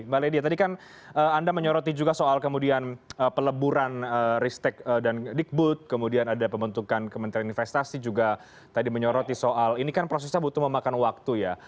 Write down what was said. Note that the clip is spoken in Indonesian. mbak ledia tadi kan anda menyoroti juga soal kemudian peleburan ristek dan digbud kemudian ada pembentukan kementerian investasi juga tadi menyoroti soal ini kan prosesnya butuh memakan waktu ya